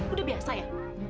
udah biasa ya